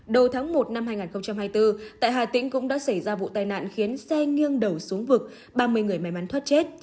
đầu tháng một năm hai nghìn hai mươi bốn tại hà tĩnh cũng đã xảy ra vụ tai nạn khiến xe nghiêng đầu xuống vực ba mươi người may mắn thoát chết